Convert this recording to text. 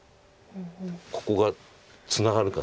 ここがツナがるかどうか。